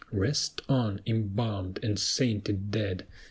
Rest on, embalmed and sainted dead!